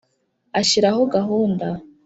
Ashyiraho gahunda.